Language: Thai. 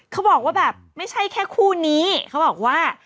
เขาบอกว่าแบบไม่ใช่แค่คู่นี้เขาบอกว่า